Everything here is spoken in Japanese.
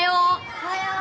おはよう。